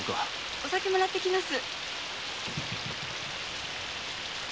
お酒もらってきます。